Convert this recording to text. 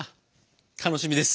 楽しみです。